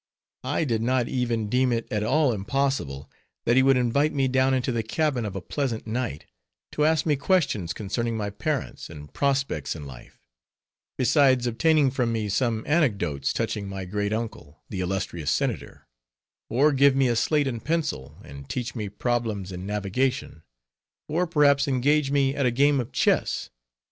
I did not even deem it at all impossible that he would invite me down into the cabin of a pleasant night, to ask me questions concerning my parents, and prospects in life; besides obtaining from me some anecdotes touching my great uncle, the illustrious senator; or give me a slate and pencil, and teach me problems in navigation; or perhaps engage me at a game of chess.